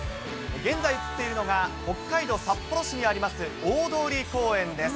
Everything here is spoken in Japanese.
現在、映っているのが、北海道札幌市にあります